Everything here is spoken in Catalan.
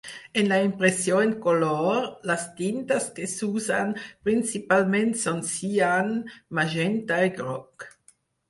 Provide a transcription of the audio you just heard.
En la impressió en color, les tintes que s'usen principalment són cian, magenta i groc.